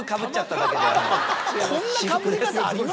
こんなかぶり方あります？